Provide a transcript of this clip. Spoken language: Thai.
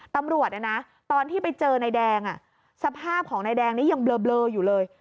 ตำรวจตอนที่ไปเจอนายแดงสภาพของนายแดงนี้ยังเบลออยู่เลย